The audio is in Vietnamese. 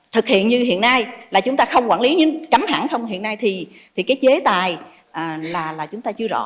thực hiện như hiện nay là chúng ta không quản lý nhưng cấm hẳn không hiện nay thì cái chế tài là chúng ta chưa rõ